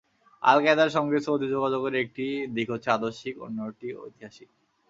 আল কায়েদার সঙ্গে সৌদি যোগাযোগের একটি দিক হচ্ছে আদর্শিক, অন্যটি ঐতিহাসিক।